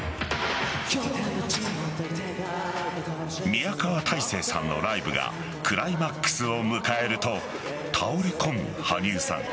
宮川大聖さんのライブがクライマックスを迎えると倒れ込む羽生さん。